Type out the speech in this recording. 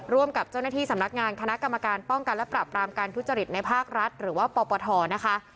ร่วมกับเจ้าหน้าที่สำนักงานคณะกรรมการป้องกันและปรับรามการทุจริตในภาครัฐหรือว่าปปทนะคะ